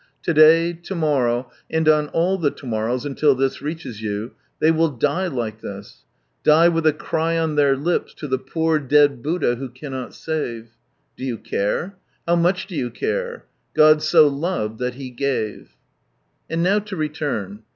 To day, to morrow, and on all the to morrows until this reaches you, they will die like this^die with a cry on their lips to the poor dead Buddha who cannot save. Do you care ? How much do you care ?" God so loved that He gave 1 " And now to return.